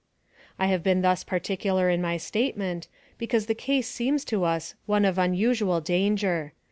I have been thus particular in my statement, because the case seems to us one of unusual danger.